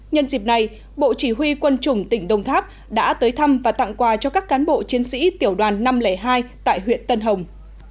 nhân dịp này bộ chỉ huy quân chủng tỉnh đông tháp đã tới thăm và tặng quà cho các cán bộ chiến sĩ tiểu đoàn năm trăm linh hai tại huyện tân hồng